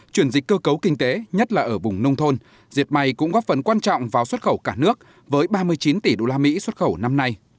chuyển dịch cơ cấu kinh tế nhất là ở vùng nông thôn diệt may cũng góp phần quan trọng vào xuất khẩu cả nước với ba mươi chín tỷ usd xuất khẩu năm nay